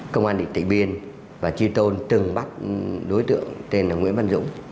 cơ quan địa tị biên và tri tôn từng bắt đối tượng tên là nguyễn văn dũng